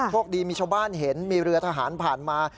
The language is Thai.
โชคดีมีชาวบ้านเห็นมีเรือทหารผ่านมา